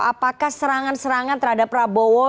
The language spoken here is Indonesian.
apakah serangan serangan terhadap prabowo